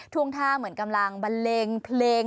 วงท่าเหมือนกำลังบันเลงเพลง